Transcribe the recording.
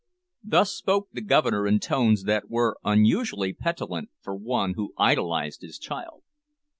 Thus spoke the Governor in tones that were unusually petulant for one who idolised his child.